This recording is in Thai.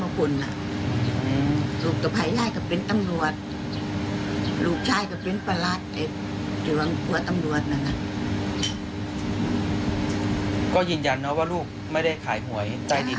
ไม่เป็นตำรวจก็ยืนยันนะว่าลูกไม่ได้ข่ายหวยใต้ดิน